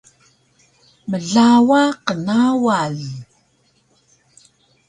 Mlawa qnawal